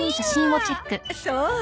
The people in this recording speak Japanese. そう？